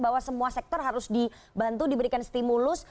bahwa semua sektor harus dibantu diberikan stimulus